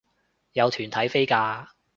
有團體飛價